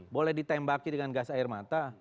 boleh ditembaki dengan gas air mata